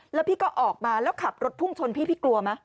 แล้วพี่ก็ออกมาแล้วขับรถพุ่งชนพี่พี่กลัวไหม